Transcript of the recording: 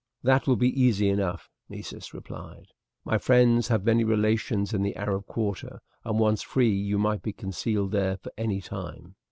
"That will be easy enough," Nessus replied. "My friends have many relations in the Arab quarter, and once free, you might be concealed there for any time.